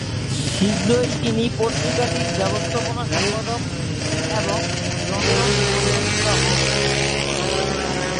শীঘ্রই, তিনি পত্রিকাটির ব্যবস্থাপনা সম্পাদক এবং লন্ডন সংবাদদাতা হন।